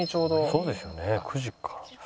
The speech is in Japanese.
そうですよね９時から。